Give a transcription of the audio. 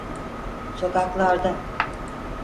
Sokaklarda!